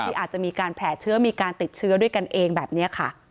อาจจะมีการแผลเชื้อมีการติดเชื้อด้วยกันเองแบบนี้ค่ะ